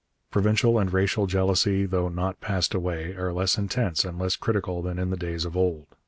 Provincial and racial jealousy, though not passed away, are less intense and less critical than in the days of old.